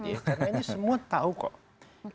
iya karena ini semua tahu kok